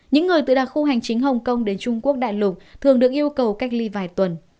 những người từ đặc khu hành chính hồng kông đến trung quốc đại lục thường được yêu cầu cách ly vài tuần